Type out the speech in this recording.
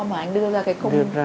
mà anh đưa ra